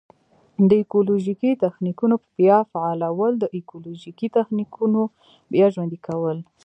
د ایکولوژیکي تخنیکونو بیا فعالول: د ایکولوژیکي تخنیکونو بیا ژوندي کول.